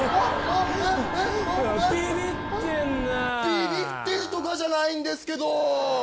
ビビってるとかじゃないんですけど。